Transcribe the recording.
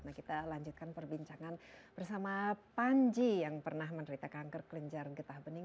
nah kita lanjutkan perbincangan bersama panji yang pernah menderita kanker kelenjar getah bening